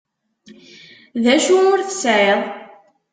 D acu ur tesεiḍ?